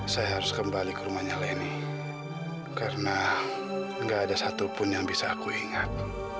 saya harus kembali ke rumahnya leni karena nggak ada satupun yang bisa aku ingat